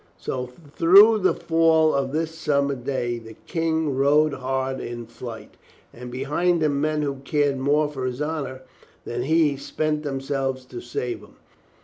So through the fall of that summer day the King rode hard in flight, and behind him men who cared more for his honor than he, spent themselves to save him.